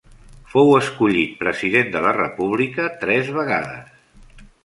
Fou escollit President de la República tres vegades.